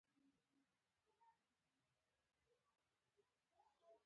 د سړکونو دواړو خواوو ته پلي لارې دي.